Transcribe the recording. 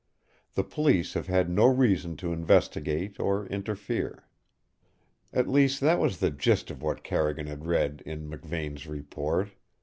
The Police have had no reason to investigate or interfere." At least that was the gist of what Carrigan had read in McVane's report.